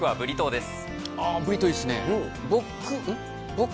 ブリトー、いいっすね。